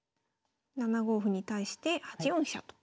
７五歩に対して８四飛車と。